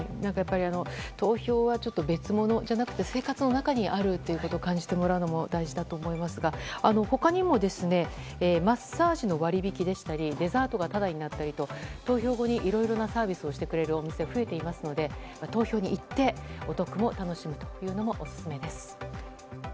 投票は別物じゃなくて生活の中にあると感じてもらうことも大事だと思いますが他にもマッサージの割引でしたりデザートがタダになったりと投票後にいろいろなサービスをしてくれるお店が増えていますので投票に行ってお得も楽しむというのもオススメです。